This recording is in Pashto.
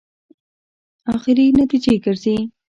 اخري نتیجې ګرځي.